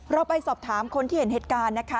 เราไปสอบถามคนที่เห็นเหตุการณ์นะคะ